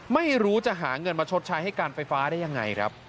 ไม่รู้จะหาเงินมาชดใช้ให้การไฟฟ้าได้ยังไงครับ